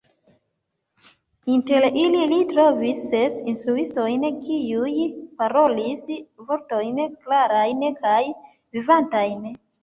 Inter ili, li trovis ses instruistojn, kiuj parolis "vortojn klarajn kaj vivantajn.